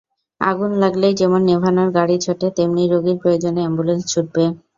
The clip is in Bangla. আগুন লাগলেই যেমন নেভানোর গাড়ি ছোটে, তেমনি রোগীর প্রয়োজনে অ্যাম্বুলেন্স ছুটবে।